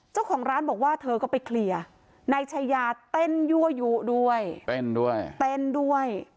เจ้าของร้านบอกว่าเธอก็ไปเคลียร์นายชายาเต้นยั่วยุด้วยเต้นด้วยเต้นด้วย